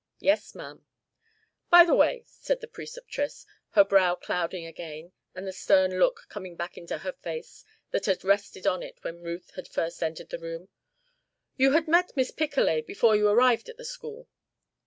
"Yes, ma'am." "By the way," said the Preceptress, her brow clouding again and the stern look coming back into her face that had rested on it when Ruth had first entered the room, "you had met Miss Picolet before you arrived at the school?"